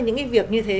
những cái việc như thế